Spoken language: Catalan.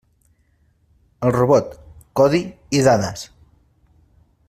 El robot: codi i dades.